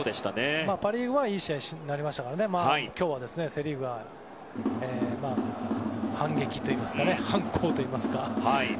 パ・リーグはいい試合になりましたが今日は、セ・リーグは反撃といいますか反攻といいますか。